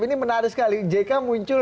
ini menarik sekali jk muncul